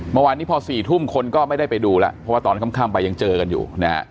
เมื่อวานนี้พอ๔ทุ่มคนก็ไม่ได้ไปดูแล้วเพราะว่าตอนค่ำไปยังเจอกันอยู่นะฮะ